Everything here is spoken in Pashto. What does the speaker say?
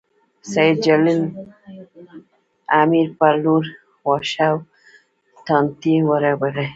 سېد جلال امیر په لور واښه او ټانټې ورېبلې